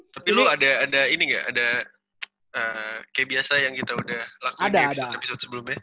tapi lo ada ini gak ada kayak biasa yang kita udah lakuin di episode episode sebelumnya